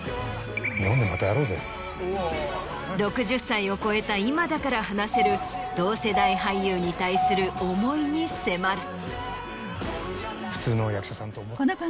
６０歳を超えた今だから話せる同世代俳優に対する思いに迫る。